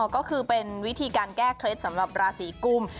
ก็คือเป็นวิธีการแก้เคล็ดสำหรับราศีกุม